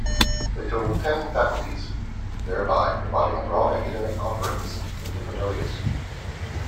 They totalled ten faculties, thereby providing a broad academic offerings in different areas.